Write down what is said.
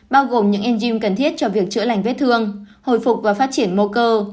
bao gồm những enzym cần thiết cho việc chữa lành vết thương hồi phục và phát triển mô cơ